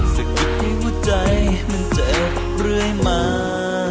สิ่งที่หัวใจมันเจ็บเรื่อยมา